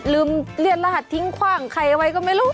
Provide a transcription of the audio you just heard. ลืมเลี่ยนรหัสทิ้งขว้างใครเอาไว้ก็ไม่รู้